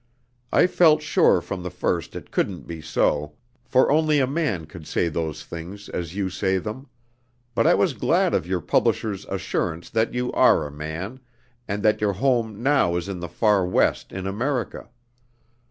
I felt sure from the first it couldn't be so, for only a man could say those things as you say them; but I was glad of your publisher's assurance that you are a man, and that your home now is in the far West in America.